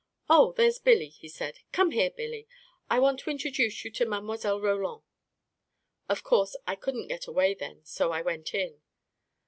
" Oh, there's Billy," he said. " Come here, Billy. I want to introduce you to Mile. Roland." Of course I couldn't get away then, so I went in.